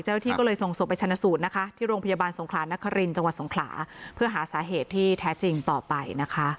แต่ว่าเวลาทัพตัวมีคนบีแท้จริงต่อไปนะคะ